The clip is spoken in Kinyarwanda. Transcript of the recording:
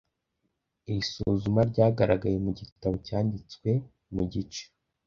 iri suzuma ryagaragaye mu gitabo cyanditswe mu gice